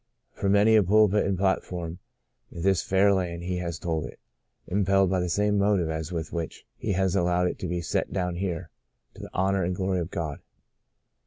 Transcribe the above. From many a pulpit and platform in this fair land he has told it, impelled by the same motive as with which he has allowed it to be set down here — to the honour and glory of God.